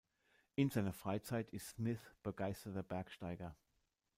In seiner Freizeit ist Smith begeisterter Bergsteiger.